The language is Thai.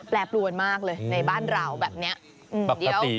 แปลบรวนมากเลยในบ้านเราแบบนี้